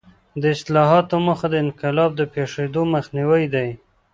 د اصلاحاتو موخه د انقلاب د پېښېدو مخنیوی دی.